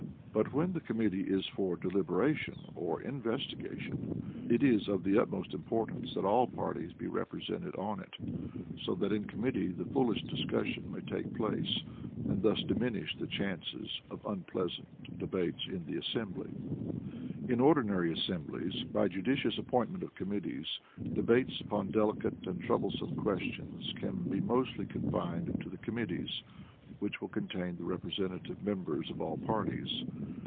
But when the committee is for deliberation or investigation, it is of the utmost importance that all parties be represented on it, so that in committee the fullest discussion may take place, and thus diminish the chances of unpleasant debates in the assembly. In ordinary assemblies, by judicious appointment of committees, debates upon delicate and troublesome questions can be mostly confined to the committees, which will contain the representative members of all parties.